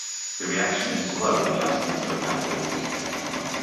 The reaction is slow in the absence of a catalyst.